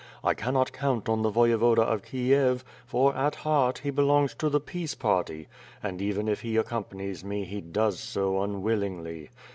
I cannot count on the Voyevoda of Kiev, for, at heart, he belongs to the peace party; and, even if he accompanies me, he does so unwillingly.